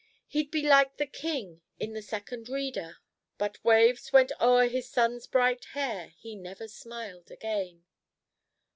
He'd be like the king in the 'Second Reader': 'But waves went o'er his son's bright hair, He never smiled again.'